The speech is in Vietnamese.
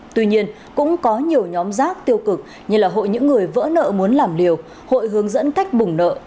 tuy nhiên cũng có nhiều nhóm giác tiêu cực như là hội những người vỡ nợ muốn làm liều hội hướng dẫn cách bùng nợ